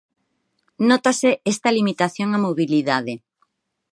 Nótase esta limitación á mobilidade.